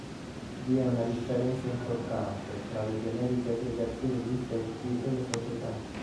Vi è una differenza importante tra le generiche aggregazioni di insetti e le società.